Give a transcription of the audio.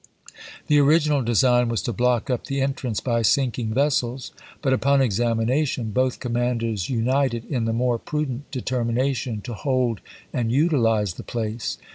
The original design was to block up the entrance by sinking vessels, but upon examination both commanders united in the more prudent deter mination to hold and utilize the place.